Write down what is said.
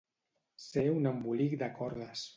Ser un embolic de cordes.